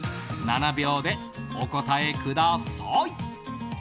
７秒でお答えください。